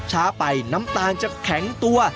ถ้าชักช้าไปน้ำตาลจะแข็งตัว